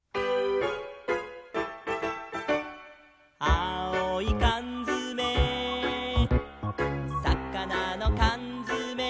「あおいかんづめ」「さかなのかんづめ」